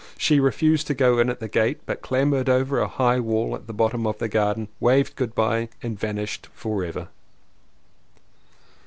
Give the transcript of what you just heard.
She refused to go in at the gate but clambered over a high wall at the bottom of the garden, waved good bye and vanished forever.